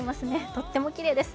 とってもきれいです。